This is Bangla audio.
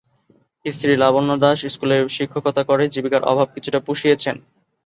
স্ত্রী লাবণ্য দাশ স্কুলে শিক্ষকতা করে জীবিকার অভাব কিছুটা পুষিয়েছেন।